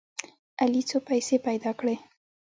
علي څو پیسې پیدا کړې.